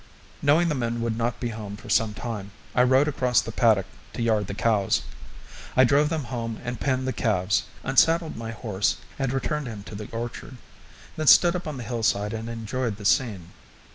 Knowing the men would not be home for some time, I rode across the paddock to yard the cows. I drove them home and penned the calves, unsaddled my horse and returned him to the orchard, then stood upon the hillside and enjoyed the scene.